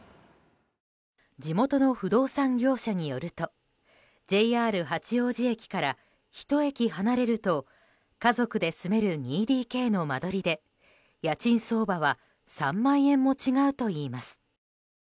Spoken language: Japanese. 地元の不動産業者によるとＪＲ八王子駅から１駅離れると家族で住める２ＤＫの間取りで家賃相場は３万円も違うといいます。